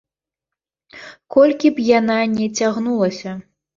Колькі б яна не цягнулася.